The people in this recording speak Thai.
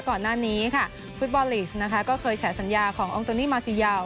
ก่อนหน้านี้ค่ะฟุตบอลลีสนะคะก็เคยแฉสัญญาของอองโตนี่มาซียาว